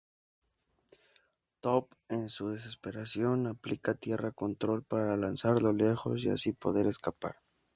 Toph en su desesperación aplica tierra control para lanzarlo lejos y así poder escapar.